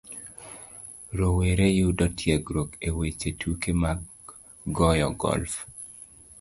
Rowere yudo tiegruok e weche tuke mag goyo golf